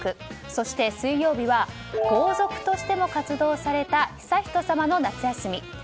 そして水曜日は皇族としても活動された悠仁さまの夏休み。